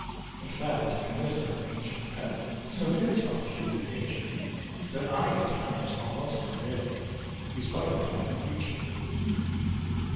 In fact, in this, our ancient pet So hits off human nature, That I at times almost forget He's but a dog in feature.